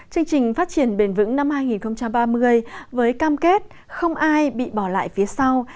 chương trình phát triển bền vững năm hai nghìn ba mươi với cam kết không ai bị bỏ lại phía sau